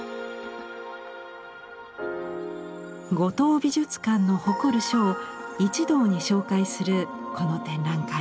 五島美術館の誇る書を一堂に紹介するこの展覧会。